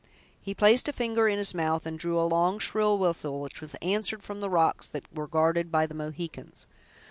He placed a finger in his mouth, and drew a long, shrill whistle, which was answered from the rocks that were guarded by the Mohicans.